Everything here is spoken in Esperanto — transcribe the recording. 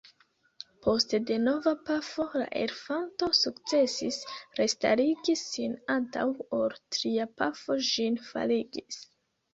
Post denova pafo la elefanto sukcesis restarigi sin antaŭ ol tria pafo ĝin faligis.